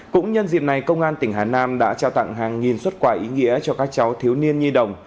cũng nhân dịp này công an tỉnh hà nam đã trao tặng hàng nghìn xuất quả ý nghĩa cho các cháu thiếu niên nhi đồng